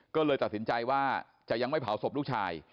ก็เลยตัดสินใจว่าจะยังไม่เผาศพลูกชาย